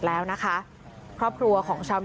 ผมยังอยากรู้ว่าว่ามันไล่ยิงคนทำไมวะ